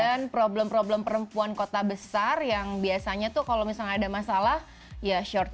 dan problem problem perempuan kota besar yang biasanya tuh kalau misalnya ada masalah ya short